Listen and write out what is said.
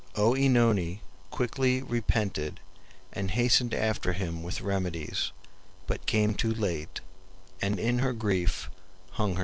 OEnone quickly repented, and hastened after him with remedies, but came too late, and in her grief hung herself.